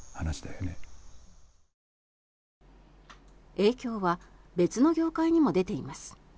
影響は別の業界にも出ています。